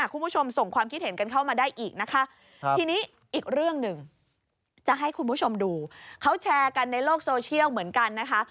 คุณผู้ชมส่งความคิดเห็นกันเข้ามาได้อีกนะคะทีนี้อีกเรื่องหนึ่งจะให้คุณผู้ชมดูเขาแชร์กันในโลกโซเชียลเหมือนกันนะคะ